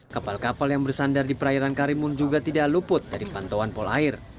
kapal kapal yang bersandar di perairan karimun juga tidak luput dari pantauan polair